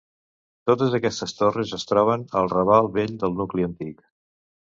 Totes aquestes torres es troben al Raval Vell del nucli antic.